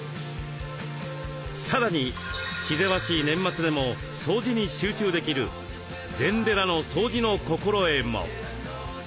さらに気ぜわしい年末でも掃除に集中できる禅寺の掃除の心得も。